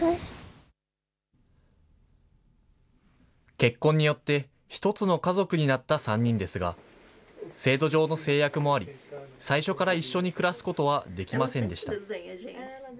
結婚によって、一つの家族になった３人ですが、制度上の制約もあり、最初から一緒に暮らすことはできませんでした。